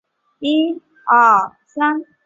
派去镇压骚乱的士兵强迫市民离开道路。